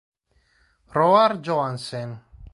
Roar Johansen